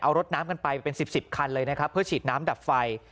เอารถน้ำกันไปเป็น๑๐คันเลยนะครับเพื่อฉีดน้ำดับไฟ